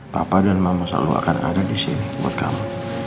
papa dan mama selalu akan ada di sini buat kamu